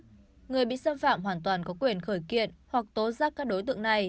tuy nhiên người bị xâm phạm hoàn toàn có quyền khởi kiện hoặc tố giác các đối tượng này